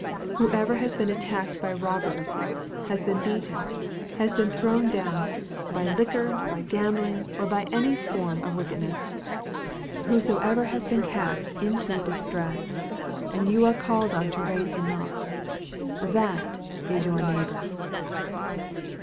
Whosoever has been attacked by robbers, has been beaten, has been thrown down by liquor, by gambling, or by any form of wickedness; whosoever has been cast into distress, and you are called on to raise him up that is your neighbor.